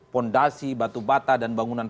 fondasi batu bata dan bangunan